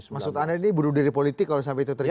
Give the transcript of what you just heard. maksud anda ini bunuh diri politik kalau sampai itu terjadi